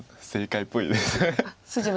正解っぽいです。